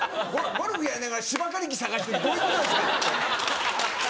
「ゴルフやりながら芝刈り機探してどういうことですか！」。